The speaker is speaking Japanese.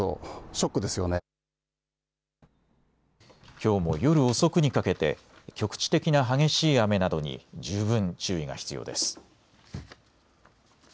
きょうも夜遅くにかけて局地的な激しい雨などに十分注意が必要です。